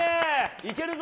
いけるぞ。